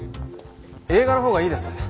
映画のほうがいいです。